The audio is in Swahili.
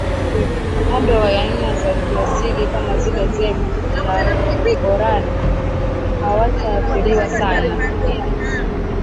ng'ombe wa aina za kiasili kama vile Zebu na Boran hawaathiriwi sana